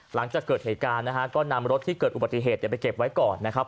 หลังจากเกิดเหตุการณ์นะฮะก็นำรถที่เกิดอุบัติเหตุไปเก็บไว้ก่อนนะครับ